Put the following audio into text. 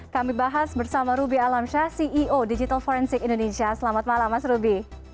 kami bahas bersama ruby alamsyah ceo digital forensik indonesia selamat malam mas ruby